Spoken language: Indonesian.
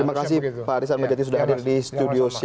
terima kasih pak arissa majajik sudah ada di studio cnn indonesia